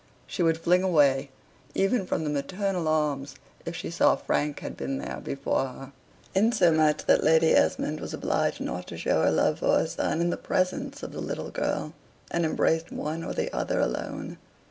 She would fling away even from the maternal arms, if she saw Frank had been there before her; insomuch that Lady Esmond was obliged not to show her love for her son in the presence of the little girl, and embraced one or the other alone.